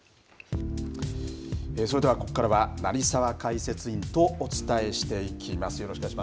それではここから成澤解説委員とお伝えします。